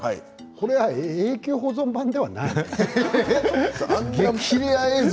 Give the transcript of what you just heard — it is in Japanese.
これは永久保存版じゃないね。